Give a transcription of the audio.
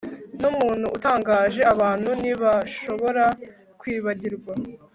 Numuntu utangaje abantu ntibashobora kwibagirwa